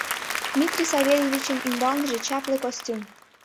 Дмитрий Савельевичын ӱмбалныже чапле костюм.